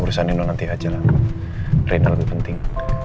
urusan nino nanti aja lah reina lebih penting